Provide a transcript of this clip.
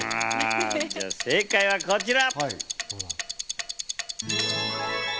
正解はこちら！